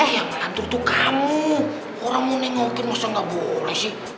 eh yang ngelantur tuh kamu orang mau ninggalkan masa gak boleh sih